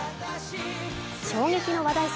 衝撃の話題作